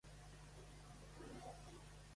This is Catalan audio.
Amnistia Internacional ha pressionat.